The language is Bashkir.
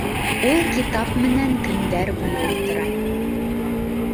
Ул китап менән көндәр буйы ултыра